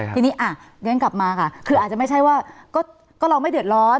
ทีนี้เรียนกลับมาค่ะคืออาจจะไม่ใช่ว่าก็เราไม่เดือดร้อน